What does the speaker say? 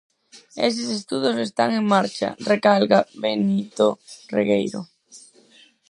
Eses estudos están en marcha, recalca Benito Regueiro.